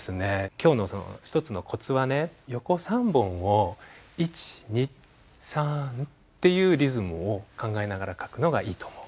今日の一つのコツは横３本を１２３っていうリズムを考えながら書くのがいいと思う。